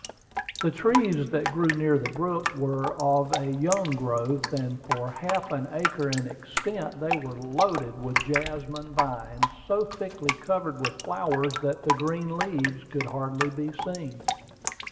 The trees that grew near the brook were of a young growth, and for half an acre in extent they were loaded with jasmine vines so thickly covered with flowers that the green leaves could hardly be seen.